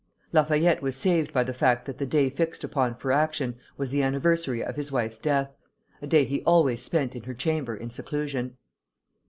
Lafayette was saved by the fact that the day fixed upon for action was the anniversary of his wife's death, a day he always spent in her chamber in seclusion.